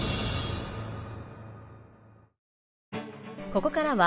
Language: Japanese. ［ここからは］